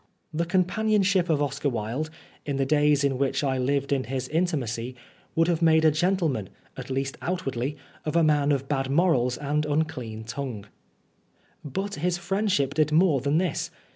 The companion 4' Oscar Wilde ship of Oscar Wilde, in the days in which I lived in his intimacy, would have made a gentleman, at least outwardly, of a man of bad morals and unclean tongue. But his friendship did more than this.